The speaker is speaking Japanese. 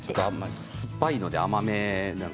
酸っぱいので、甘めです